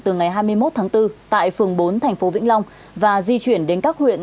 từ ngày hai mươi một tháng bốn tại phường bốn thành phố vĩnh long và di chuyển đến các huyện